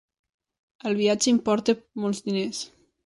El viatge importa molts diners.